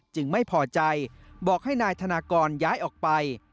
ไม่พอใจบอกให้นายธนากรย้ายออกไป